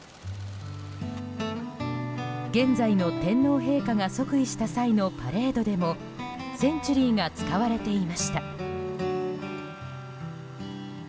現在の天皇陛下が即位した際のパレードでもセンチュリーが使われていました。